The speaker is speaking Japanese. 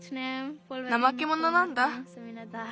なまけものなんだ。